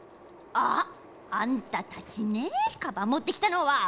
あっあんたたちねカバンもってきたのは。